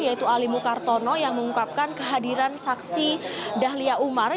yaitu ali mukartono yang mengungkapkan kehadiran saksi dahlia umar